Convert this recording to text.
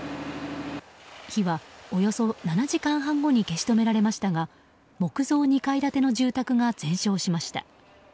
火はおよそ７時間半後に消し止められましたが木造２階建ての住宅が全焼しました。